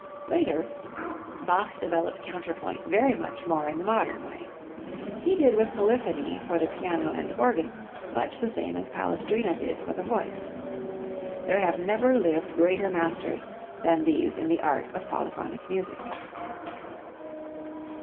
Later Bach developed counterpoint very much more in the modern way. He did with polyphony for the piano and organ much the same as Palestrina did for the voice. There have never lived greater masters than these in the art of polyphonic music.